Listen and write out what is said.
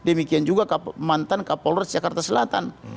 demikian juga mantan kapolres jakarta selatan